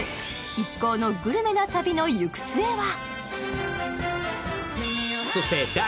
一行のグルメな旅の行く末は？